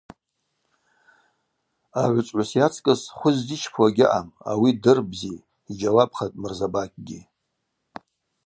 Агӏвычӏвгӏвыс йацкӏыс хвы ззичпауа гьаъам, ауи дыр, бзи, – йджьауапхатӏ Мырзабакьгьи.